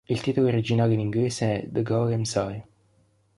Il titolo originale in inglese è "The Golem's Eye".